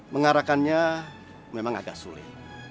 mengarakannya memang agak sulit